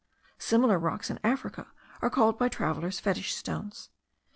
Similar rocks in Africa are called by travellers fetish stones.